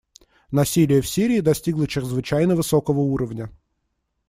Насилие в Сирии достигло чрезвычайно высокого уровня.